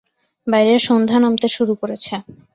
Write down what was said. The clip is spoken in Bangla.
বাইরে সন্ধ্যা নামতে শুরু করেছে।